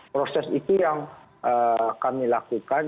proses itu yang kami lakukan